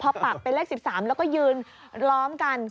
พอปักเป็นเลข๑๓แล้วก็ยืนล้อมกัน